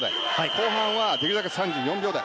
後半はできるだけ３４秒台。